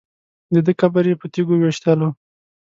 دده قبر یې په تیږو ویشتلو.